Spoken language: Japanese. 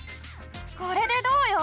これでどうよ！